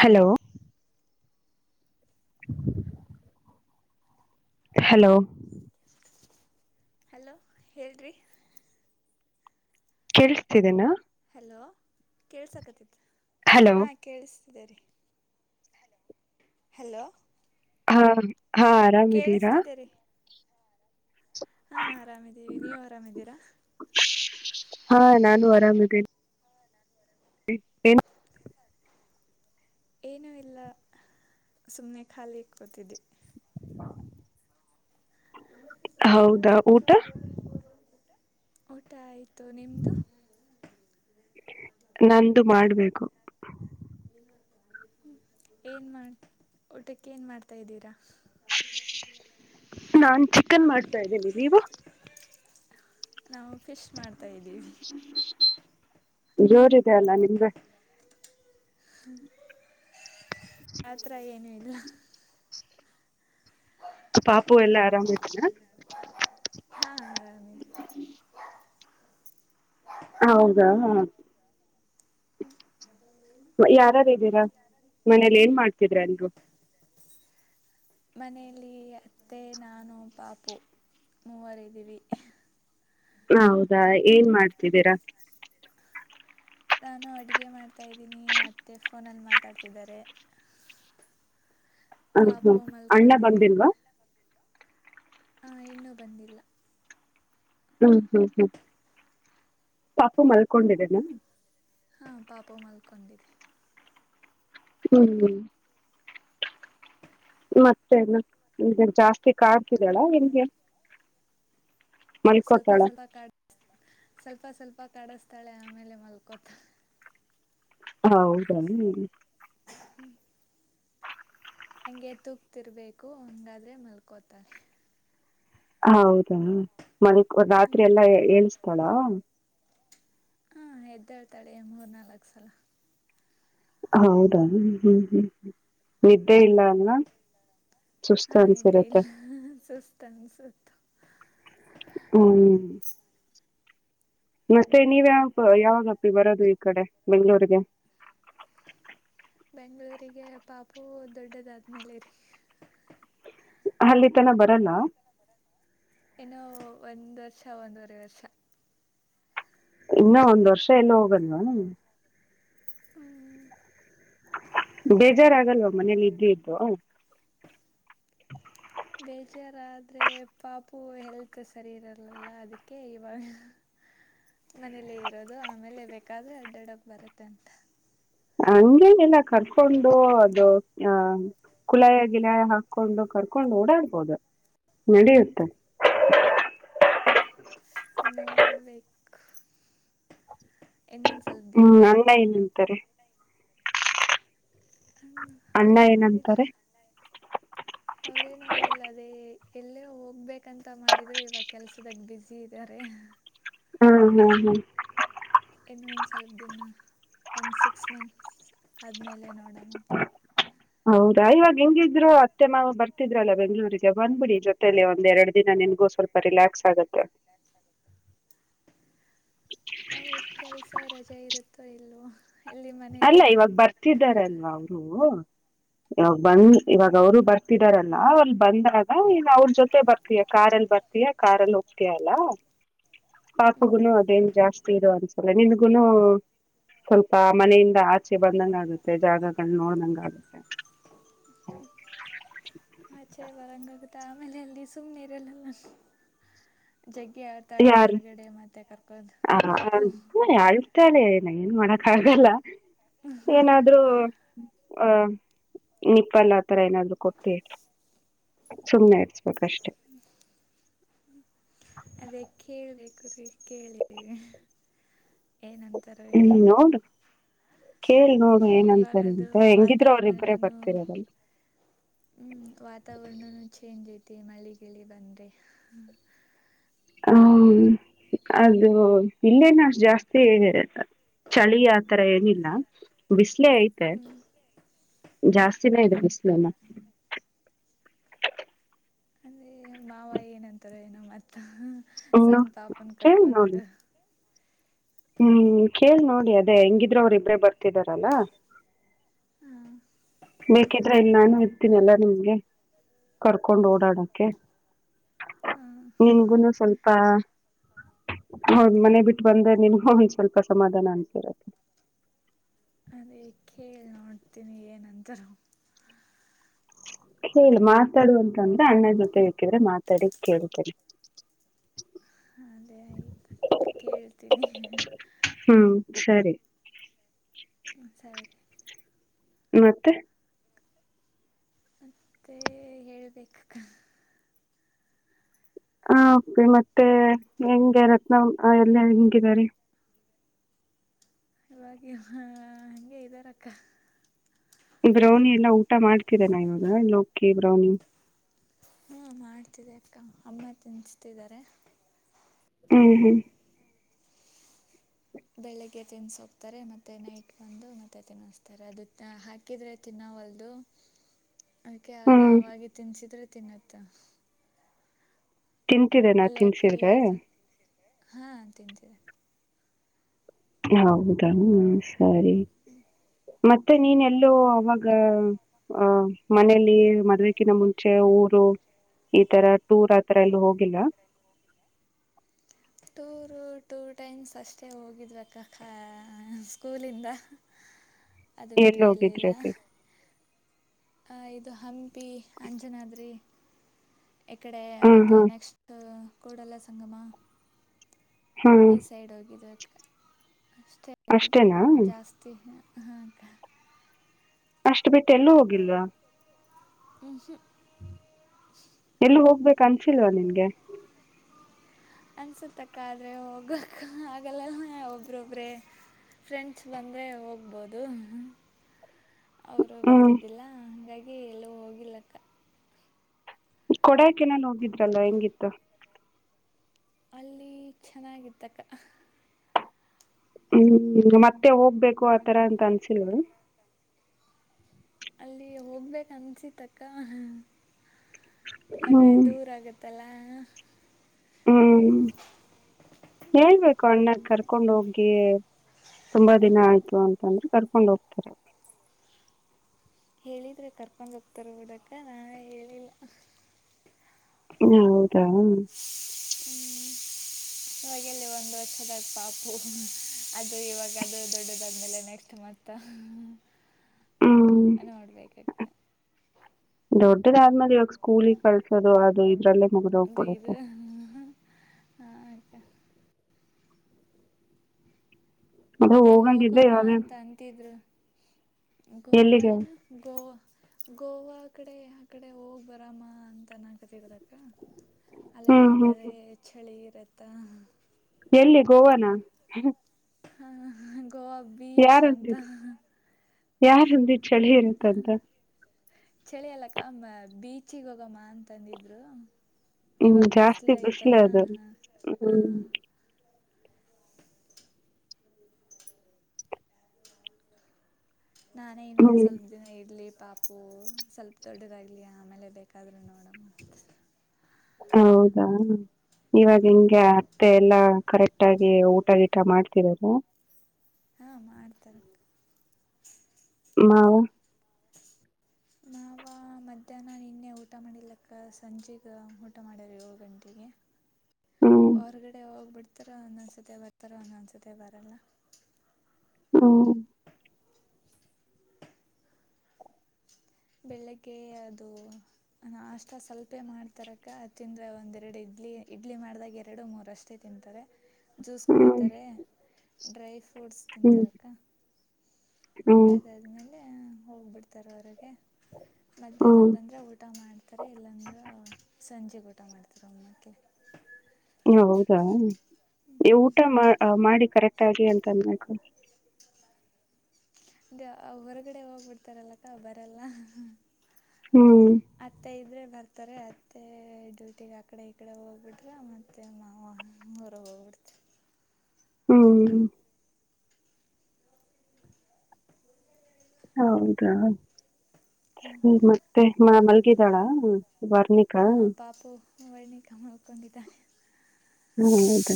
Hello [inaudible] hello hello ಹೇಳ್ರಿ. ಕೇಳುಸ್ತಿದೇನಾ? Hello ಕೇಳ್ಸಕತ್ತಿತಾ ಹಲೋ ಹಾಂ ಕೇಳುಸ್ ದೆರಿ ಹಲೋ ಹಾಂ ಹಾಂ ಆರಾಮಿದೀರಾ? ಕೇಳಿಸ್ತಿದೆ ರೀ ಹಾಂ ಆರಾಮಿದ್ದೀವಿ ನೀವ್ ಆರಾಮಿದ್ದೀರಾ? ಹಾಂ ನಾನು ಆರಾಮಿದ್ದೀನಿ. ಏನ್ ಏನುೂ ಇಲ್ಲ ಸುಮ್ಮ್ನೆ ಖಾಲಿ ಇಕೋತಿದ್ದಿ ಹ ಹೌದಾ ಊಟ ಊಟ ಆಯ್ತು ನಿಮ್ದು ನಂದು ಮಾಡ್ಬೇಕು ್ಮ ಏನ್ ಮಾಡ ಊಟಕ್ಕೆ ಏನ್ ಮಾಡ್ತಾ ಇದ್ದೀರಾ ನಾನ್ ಚಿಕನ್ ಮಾಡ್ತಾ್ದೀಿ ನೀವು ನಾವು ಫಿಶ್ ಮಾಡ್ತಾ ಇದ್ದೀವಿ ಜೋರಿದೆ ಅಲ್ಲಾ ನಿಮ್ದ ಯತ್ರ ಏನು ಇಲ್ಲ. ಪಾಪು ಎಲ್ಲಾ ಆರಾಮತ್ಿನ ಹಾಂ ಆರಾಮಿದ್ವಿ ಹೌದಾ ಹ. ಯಾರಾರು್ದೀರಾ ಮನೇಲಿ ಏನ್ ಮಾಡ್ತಿದ್ರ ಅಲ್ರು ಮನೆಯಲ್ಲಿ ಅತ್ತೆ ನಾನು ಪಾಪು. ಮೂವರಿದ್ದೀವಿ. ಹೌದಾ ಏನ್ ಮಾಡ್ತಿದ್ದೀರಾ. ನಾನು ಅಡುಗೆ ಮಾಡ್ತಾ್ದೀನಿ ಅತ್ತೆ ಫೋನಲ್ಲಿ ಮಾತಾಡ್ತಿದ್ದಾರೆ. ಹ ಹಾ ಪಾಪು ಅಣ್ಣ ಬಂದಿಲ್ವಾ. ಆ ಇನ್ನೂ ಬಂದಿಲ್ಲ. ಹ್ಮ್ ಹ್ಮ್ ಹ್ಮ್ ಪಾಪು ಮಲ್ಕೊಂಡಿದೆನಾ. ಹಾ ಪಾಪ ಮಲ್ಕೊಂಡಿದೆ. ಹ್ಮ್. ಮತ್ತೆ ಜಾಸ್ತಿ ಕಡ್ತಿದಾಳಾ ಹೆಂಗೆ. ಸ್ವಲ್ಪ ಮಲ್ಕೋತಾಳ ಸ್ವಲ್ಪ ಕ ಸ್ವಲ್ಪ ಸ್ವಲ್ಪ. ಪಪ್ಪ ಕಡಸ್ತಾಳೆ ಆಮೇಲೆ ಮಲ್ಕೋತ. ಹ ಹೌದಲ್ಲ. ಹ್ಮ್. ಹಗೆ ತೂಕ್ತಿರ್ಬೇಕು ಹಂಗಾದ್ರೆ ಮಲ್ಕೋತಾರೆ. ಹೌದಾ ಮನಕ್ ರಾತ್ರಿ ಹ್ಞೂ ಎಲ್ಲಾ ಹಏಳ್ಸ್ತಾಳ. ಹಾ ಹೆದ್ದೇಳ್ತಾಳೆ ಮೂರ್ ನಾಲ್ಕ್ ಸಲ ಹೌದಾ್ಮ ಹ್ಮ್ ಹ್ಮ್ ನಿದ್ದೆ ಇಲ್ಲ ಅಲ್ವಾ ಹಾ ನಿದ್ದೆ ಇಲ್ಲ ಸುಸ್ತ ಅನ್ ಸತು ಹ್ಮ ಮತ್ತೆ ನೀವ ಯಾವ ಯಾವಾಗಪ್ಪಿ ಬರೋದು ಈ ಕಡೆ ಬೆಂಗ್ಳೂಗೆ. ಬೆಂಗಗಳೂರಿಗೆ ಪಾಪು ದೊಡ್ಡದಾದ್ಮೇಲೆರಿ. ಅಲ್ಲಿ ತನ ಬರಲ್ಲ. ಇನ್ನೋ ಒಂದ ವರ್ಷ ಒಂದವರೆ ವರ್ಷ. ಇನ್ನು ಒಂದ್ ವರ್ಷ ಎಲ್ಲ ಹೋಗಲ್ವಾ. ಬೇಜಾರಾಗಲ್ವಾ ಮನೇಲಿ ಇದ್ದ ಇದ್ದು. ಬೇಜಾರಾದ್ರೆ ಪಾಪು ಹೆಲ್ತ್ ಸರಿ ಇರಲ್ಲಲ್ಲ ಅದಕ್ಕೆ ಇವಾಗ. ಮನೇಲೆ ಇರೋದು ಆಮೇಲೆ ಬೇಕಾದ್ರೆ ಅಡ್ಡಡಪ್ ಬರುತ್ತೆ ಅಂತ. ಹಂಗೇನೆಲ್ಲ ಕರ್ಕೊಂಡು ಅದು ಆ ಕುಳಾಯ ಗಿಲಾಯ ಹಾಕೊಂಡು ಕರ್ಕೊಂಡು ಓಡಾಡ್ಬೋದು ನಡಿಯುತ್ತೆ ನೋಡ್ಬೇಕು ಹ್ಮ್ ಅಣ್ಣ ಏನಂತಾರೆ ಹ್ಮ ಅಣ್ಣ ಅವ್ರೇನು ಒಂದಿಲ್ಲ ಏನಂತಾರೆ ಅವ್ರೇನು ಒಂದಿಲ್ಲ ಅದೇ ಎಲ್ಲೇ ಹೋಗ್ಬೇಕಂತ ಮಾಡಿದ್ರು ಇವಾಗ ಕೆಲ್ಸದಾಗ ಬ್ಯುಸಿ ಇದಾರೆ ಹ್ಮ್ ಹ್ಮ್ ಹ್ಮ್ ಇನ್ನ ಒಂದ ಸ್ವಲ್ಪ ದಿನ ಒಂದ ಸಿಕ್ಸ್ ಮಂತ್ಸ್ ಆದ್ಮೇಲೆ ನೋ [inaudible] ಹೌದಾ ಇವಾಗ ಹಿಂಗಿದ್ರು ಅತ್ತೆ ಮಾವು ಬರ್ತಿದ್ಲ್ಲ ಬೆಂಗ್ಗಳೂರಿಗೆ ಬಂದ್ಬಿಡಿ ಜೊತೇಲಿ ಒಂದ್ ಎರಡು ದಿನ ನಗೂ ಸ್ವಲ್ಪ ರಿಲ್ಯಾಸ್ ಆಗುತ್ತೆ [inaudible] ಅವ್ರ ಕೆಲ್ಸ ರಜೆ ಇರುತ್ತೋ ಇಲ್ಲ ಅಲ್ಲ ಇವಾಗ ಬರ್ತಿದಾರಲ್ವಾ ಅವರು ಇವಾಗ ಹ್ಞೂ ಬಂದ ಇವಾಗ ಅವರು ಬರ್ತಿದಾರಲ್ಲ ಅವರ್ ಬಂದಾಗ ಅವ್ರ ಜೊತೆ ಬರ್ತಯ ಕಾರ್ ಅಲ್ಲಿ ಬರ್ತಯ ಕಾರ್ ಅಲ್ಲಿ ಹೋಗ್ತಿಯಅಲ್ಲ ಹ್ಞೂ ಪಾಪಗುನು ಅದೇನ್ ಜಾಸ್ತಿ ಇರ ಅನ್ಸಲ್ಲ ನಿಮಗುನು ಸ್ವಲ್ಪ ಮನೆಯಿಂದ ಆಚೆ ಬಂದಂಗ ಆಗುತ್ತೆ ಜಾಗಗಳ ನೋಡ್ದಂಗ ಆಗುತ್ತೆ [inaudible] ಆಚೆ ಬರಂಗುತ್ತಾ ಆಮೇಲೆ ಅಲ್ಲಿ ಸುಮ್ನೆ ಇರಲ್ಲ ಜಗ್ಗಿ ಆಡ್ತಾಳೆ ಯಾರ ಹೊರಗಡೆ ಮತ್ತೆ ಕರ್ಕೊಂಡು ಹ ಪಾಪು ಯಾಳ್ತಲ್ಲೆ ಏನ್ ಮಾಡ [unintelligible] ಹಾಗಲ್ಲ ಏನಾದ್ರೂ ಹ ನಿಪ್ಪಲ್ಲ ಆತರ ಏನಾದ್ರು ಕೊಟಿ ಸುಮ್ಮನೆ ಇರ್ಸ್ಬೇಕಷ್ಟೇ [inaudible] ಕೇಳಿದೆ ಕುರಿ [unintelligible] ಕೇಳಿದೆ ಹ್ಮ್ ನೋಡು ಕೇಳ್ ನೋಡು ಇವಾಗ ಏನಂತಾರೆ ಅದು ಅಂತ ಹೆಂಗಿದ್ರು ಅವ್ರಿಬ್ಬರೇ ವಾತಾವರಣನೂ ಬರ್ತಿರದಲ್ಲ ಮತ್ತ ಮಳ್ಳಿಗಿಳಿ ಬಂದ್ರೆ [unintelligible] ಹ ಅದು ಇಲ್ಲೇನ ಅಷ್ಟ ಜಾಸ್ತಿ [unintelligible] ಚಳಿ ಆತರ ಏನಿಲ್ಲ ಬ್ [unintelligible] [unintelligible] ಇ ಐತೆ ಹ್ಮ್ ಜಾಸ್ತಿನ ಇ [unintelligible] [unintelligible] ಅಂದೇ ಮಾವ ಏನಂತಾರ ಏನೋ ಮತ್ತ [unintelligible] ಹಾ ಇನ್ನು ಸಣ್ಣ ಪಾಪನ ಕೇಳಿ ನೋಡಿ ಕರ್ಕಂದು ಹ್ಮ್ ಕೇಳ್ ನೋಡಿ ಅದೇ ಹೆಂಗಿದ್ರೆ ಅವ್ರ ಇಬ್ರೇ ಬರ್ತಿದಾರಲ್ಲ ಹಾ ಬೇಕಿದ್ರೆ ಇಲ್ಲಿ ನಾನು ಇರ್ತೀನಿ ಎಲ್ಲ ನಿಮ್ಗೆ ಕರ್ಕೊಂಡ್ ಓಡಾಡಕ್ಕೆ ಹಾ ನಿನುಗುನು ಸ್ವಲ್ಪ ಹೌ [unintelligible] ಮನೆ ಬಿಟ್ಟು ಬಂದ ನಿಮಗೂ ಒಂದ್ ಸ್ವಲ್ಪ ಸಮಾಧಾನ ಅನ್ಸರುತ್ತೆ [unintelligible] ಅದೇ ಕೇಳಿ ನೋಡ್ತೀನಿ ಏನಂತ [unintelligible] ಕೇಳಿ ಮಾತಾಡುವಂತ ಅಂದ್ರೆ ಅಣ್ಣ ಜೊತೆ ಬೇಕಿದ್ರೆ ಮಾತಾಡಿ ಕೇಳ್ತೇನೆ [inaudible] ಅದೇ ಆಯ್ತು ಕೇಳ್ತೀನಿ [unintelligible] ಹ್ಮ್ ಸರಿ [inaudible] ಸರಿ ಮತ್ತೆ ಮತ್ತೆ ಹೇಳ್ಬೇಕ [unintelligible] ಹೆ ಮತ್ತೆ ಹೆಂಗೆ ರತ್ನ ಎಲ್ಲ ಹೆಂಗಿದ್ದಾರೆ [unintelligible] ಇ [unintelligible] ಹಗೆ ಇದಾರಕ್ಕ ದ್ರೌನಿ ಎಲ್ಲ ಊಟ ಮಾಡ್ತಿ [unintelligible] [unintelligible] ನ ಇಾಗ ಲೋಕ ಬ್ರೌನಿ [inaudible] [unintelligible] ಅ ಅಮ್ಮ ತಿನ್ಸತಿದ್ದಾರೆ ಹ್ಮ ಹ್ಮ್ ಬೆಳಿಗ್ಗೆ ತಿನ್ಸ ಹೋಗ್ತಾರೆ ಮತ್ತೆ ನೈಟ್ ಬಂದು ಮತ್ತೆ ತಿನ್ನಸ್ತಾರೆ ಅದು ಹಾಕಿದ್ರೆ ತಿನ್ನ ಲ್ದು ಅದಕ್ಕೆ ಹ್ಮ್ ನಾವಾಗಿ ತಿನ್ಸಿದ್ರೆ ತಿನ್ನುತ್ತ ತಿಂತಿದ್ದೇನಾ ಲೋಕಿ ತಿನ್ಸಿದ್ರೆ ಅದು ಹಾ ತಿಂತಿದೆ ಹೌದಾ ಹ ಸರಿ ಮತ್ತೆ ನೀನೆ ಎಲ್ಲೋ ಅವಾಗ ಹಹ ಮನೇೆಯಲ್ಲಿ ಮರ್ವಕ್ಕಿನ ಮುಂಚೆ ಊರು ಈ ತರ ಟೂರ್ ಆತ್ರ ಎಲ್ಲ ಹೋಗಿಲ್ಲ ಟೂರು ಟೂ ಟೈಮ್ಸ್ ಅಷ್ಟೇ ಹೋಗಿದ್ಬೇಕ ಸ್ಕೂಲಿಂದ ಇಲ ಇಧ್ರೆಗೆ ಆ ಇದು ಹಂಪಿ ಅಂಜನಾದ್ರಿ ಎ ಕಡೆ ಹ್ಮ್ ಮತ್ತುತ್ತ ಹ್ಮ್ ನೆಕ್ಸ್ಟ್ ಕೂಡಲ್ಲ ಸಂಗಮ ಹ್ಮ್ ಈ ಸೈಡ್ ಹೋಗಿದ ಅಷ್ಟೇ ಆ ಅಷ್ಟೇನಾ ಜಾಸ್ತಿ ಹ ಅಷ್ಟು ಬಿಟ್ಟು ಎಲ್ಲೂ ಹೋಗಿಲ್ವಾ ಎಷ ಎಲ್ಲ ಹೋಗ್ಬೇಕ ಅನ್ಸಲ್ವ ನಿನ್ಗೆ ಅನ್ಸತಕ್ಕ ಆದ್ರೆ ಹೋಗಕ್ ಆಲ್ಲ ಒಬ್ರೊಬ್ರೆ ಫ್ರೆಂಡ್ಸ್ ಬಂದ್ರರೆ ಹೋಗ್ಬೋದು ಅವರು ಹ್ಮ್ ಬರ್ತಿದ್ದಿಲ್ಲ ಹಂಗಾಗಿ ಎಲ್ಲೂ ಹೋಗಿಲ್ಲಕ್ಕ ಕೊಡಾಕೆನಾನು ಹೋಗಿದ್ರಲ್ಲ ಹೆಂಗಿತ್ತು ಅಲ್ಲಿ ಚೆನ್ನಾಗಿದ್ದಕ್ಕ ಹ್ಮ್ ಮತ್ತೆ ಹೋಗ್ಬೇಕು ಆತರ ಅಂತ ಅನ್ಸಲ್ ಅಲ್ಲಿ ಹೋಗ್ಬೇಕ ಅನ್ಸಿತ್ತಕ್ಕ ಅದೇ ಹ್ಮ್ ದೂರ ಆಗತ್ತಲ್ಲ ಹ್ಮ್ ಹೇಳ್ಬೇಕು ಅಣ್ಣಕ್ ಕರ್ಕೊಂಡ ಹೋಗ್ ತುಂಬಾ ದಿನ ಆಯ್ತು ಅಂತಂದ್ರೆ ಕರ್ಕೊಂಡ ಹೋಗ್ತಾರೆ ಹೇಳಿದ್ರೆ ಕರ್ಕೊಂಡ್ ಹತಾರ ಹಓಡಕ ನಾನ ಹೇಳಿಲ್ಲ ಹಾ ಹೌದಾ ಇವಾಗಲ್ಲಿ ಒಂದು ವಷದಾಗ ಪಾಪು ಅದು ಇವಾಗ ಅದು ದೊಡ್ಡದಾದ್ಮೇಲೆ ನೆಕ್ಸ್ಟ್ ಮ ಅನ್ನ ಮಾಡಡಲ ಕ ದೊಡ್ಡದತ್ ದ ಕೂಲಿ ಕಳ್ಸೋದು ಅದು ಇದ್ರಲ್ಲೇ ಮುಗ್ದೋಗ್ಬಿಡುತ್ತೆ ಅಯತ ಅದೇ ಹೋಗಂಗಿದ್ರೆ ಹೋಗಮ್ಮ ಇವಾಗ ಅಂತ ಅಂತಿದ್ರು ಗೋವಾ ಎಲ್ಲಿಗೆ ನಾ ಗೋವಾ ಗೋವಾ ಕಡೆ ಆ ಕಡೆ ಹೋಗಿ ಬರಾಮ ಅಂತ ನಾಗತ್ತರ್ದಕ್ಕ ಅಲ್ಲೆಲ್ಲಾ ಹ್ಮ್ ಹ್ಮ್ ಬರ ಹ್ಮ್ ಚಳಿ ಇರತ್ತ ಎಲ್ಲಿ ಗೋವಾನ ಹ ಗೋವಾ ಬೀಚ್ ಅಂತ ಯಾರಂದ್ರೆ ಚಳಿ ಇಂತಂತ ಚಳಿ ಅಲ್ಲಕ್ಕ ಬೀಚಿಗ್ ಹೋಗಮ್ಮ ಅಂತಂದಿದ್ರು ಹ್ಮ್ ಇವಾಗ ಬಿಸ್ಲ ಜಾಸ್ತಿ ಐತಲ್ಲಾ ಅದು ಹ ಹ ಹ್ಮ್ ನಾನೇ ಇನ್ನೊಂದ ಹ್ಮ್ ಸ್ವಲ್ಪ ದಿನ ಇರ್ಲಿ ಪಾಪು ಸ್ವಲ್ಪ ದೊಡ್ಡದಾಗಲಿ ಆಮೇಲೆ ಬೇಕಾದ್ರು ನೋಡಮ್ಮ ಹೌದಾ ಇವಾಗ ಹಿಂಗೆ ಅತ್ತೆ ಎಲ್ಲಾ ಕರೆಕ್ಟ್ ಆಗಿ ಊಟಗೀಟ ಮಾಡ್ತಾರ ಹಾಂ ಮಾಡ್ತಾರೆ ಮಾ ನಾವ ಮಧ್ಯಾಹ್ನ ನಿನ್ನೆ ಊಟ ಮಾಡಲಕ್ಕ ಸಂಜೆಗ ಊಟ ಮಾಡ್ಯಾರೆ ಏಳು ಗಂಟೆಗೆ ಹ್ಮ್ ಹೊರ್ಗಡೆ ಹೋಗ್ಬಿಡ್ತಾರೋ ಅನ್ನನ್ಸದೆ ಬರ್ತಾರೋ ಅನ್ನನ್ಸುತ್ತ ಬರಲ್ಲ ಹ ಬೆಳಿಗ್ಗೆ ಅದು ಅಷ್ಟ ಸ್ವಲ್ಪೆ ಮಾಡ್ತಾರಕ ಅ ತಿಂದ್ರ ಒಂದೆರಡು ಇದ್ದ ಇಡ್ಲಿ ಇಡ್ಲಿ ಮಾಡಿದಾಗ ಎರಡು ಮೂರುಷ್ಟೇ ತಿಂತಾರೆ ಜ್ಯೂಸ್ ಹ್ಮ್ ಕುಡಿತಾರೆ ಡ್ರೈ ಫ್ರೂಟ್ಸ್ ಹ್ಮ್ ತಿಂತಾರಕ್ಕ ಹ್ಮ್ ಅದಾದ್ಮೇಲೆ ಹೋಗ್ಬಿಡ್ತಾರ ಹೊರ ಮಧ್ಯಾಹ್ನ ಹ್ಮ್ ಬಂದ್ರೆ ಊಟ ಮಾಡ್ತಾರೆ ಇಲ್ಲಾಂದ್ರೆ ಸಂಜೆ ಕೊಡ್ತಾರೆ ಊಟ ಮಾಡ್ತಿರ ಅಮ್ಮಕ್ಕೆ ಹೌದಾ ಊಟ ಮಾಡಿ ಕರೆಕ್ಟ್ ಒಟ್ಟಾಗಿ ಅಂತ ಅನ್ಬೇಕು ಅ ಹೊರಗಡೆ ಹೋಗ್ಬಿಡ್ತಾರಲ್ಲಕ್ಕ ಬರಲ್ಲ ಹ್ಮ್ ಹತ್ತೈದ್ರೆ ಬರ್ತ ಹತಾರೆ ಅತ್ತೆ ಡ್ಯೂಟಿಗೆ ಆಕಡೆ ಈ ಕಡೆ ಹೋಗ್ಬಿಡ್ರೆ ಮತ್ತೆ ಮಾವರು ಹೋಗ್ಬಿಡ್ತರಿ ಹ್ಮ ಹೌದಾ ಹಾಂ ಮತ್ತೆ ಮ ಮಲ್ಗಿದಳ ಹ ಹಾ ಪಾಪು ವರ್ಣಿಕ ಮಾಡಕೊಂಡಿದ್ದಾನೆ ಹ ಹೌದಾ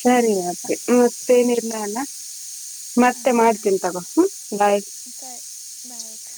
ಸರಿ ಮತ್ತೆ ಮತ್ತೇನಲ್ಲ ಅಲ್ಲ ಹ ಮತ್ತೆ ಅಕ ಮಾಡ್ತೀನಿ ತಗೋ ಹ್ಮ ಬಾಯ್ ಇಕ ಬಳ ಇಕ